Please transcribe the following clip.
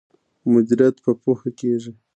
مدیریت په پوهه کیږي.